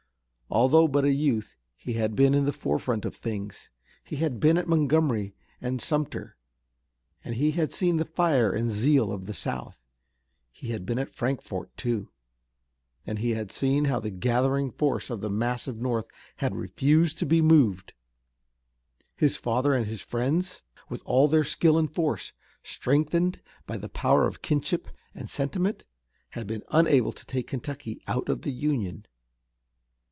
Although but a youth, he had been in the forefront of things. He had been at Montgomery and Sumter, and he had seen the fire and zeal of the South. He had been at Frankfort, too, and he had seen how the gathering force of the massive North had refused to be moved. His father and his friends, with all their skill and force, strengthened by the power of kinship and sentiment, had been unable to take Kentucky out of the Union.